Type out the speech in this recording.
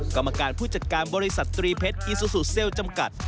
กรรมการผู้จัดการบริษัทตรีเพชรอีซูซูเซลจำกัด